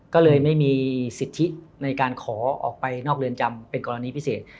ก็เลยไม่มีสิทธิในการขอออกไปนอกเรือนจำเป็นกรณีพิเศษ